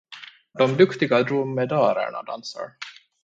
De duktiga dromedarerna dansar.